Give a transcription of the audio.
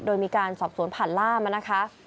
โดยมีการสอบสวนผ่านล่ามนะคะ